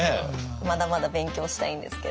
まだまだ勉強したいんですけど。